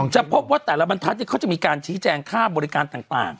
จะพบว่าแต่ละบรรทัศน์เขาจะมีการชี้แจงค่าบริการต่าง